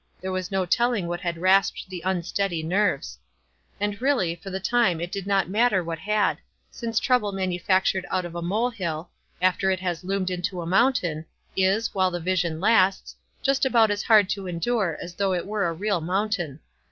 There was no telling what had rasped the unsteady nerves; and really for the time it did not matter what had, since trouble manufactured out of a mole hill, after it has loomed into a mountain, is, while the vision lasts, just about as hard to en dure as though it w r ere a real mountain.